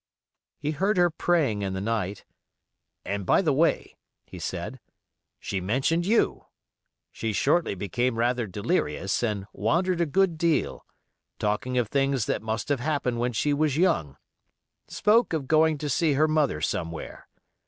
He heard her praying in the night, "and, by the way," he said, "she mentioned you. She shortly became rather delirious, and wandered a good deal, talking of things that must have happened when she was young; spoke of going to see her mother somewhere.